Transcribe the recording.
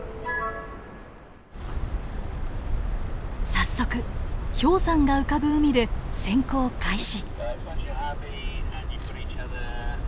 早速氷山が浮かぶ海で潜航開始！